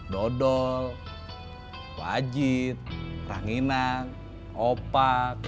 dodol wajit ranginan opak